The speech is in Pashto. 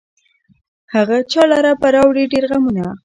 هغه چا لره به راوړي ډېر غمونه